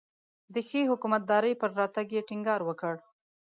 د ښې حکومتدارۍ پر راتګ یې ټینګار وکړ.